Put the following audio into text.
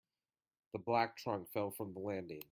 The black trunk fell from the landing.